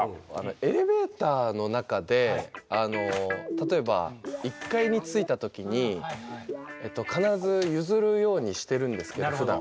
エレベーターの中で例えば１階に着いたときに必ず譲るようにしてるんですけどふだん。